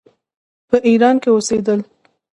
په ایران کې اوسېدل.